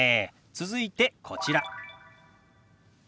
続いてこちら。